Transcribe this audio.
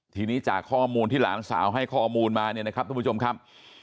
ทีนี้จากข้อมูลที่หลานสาวให้ข้อมูลมาเนี่ยนะครับทุกผู้ชมครับ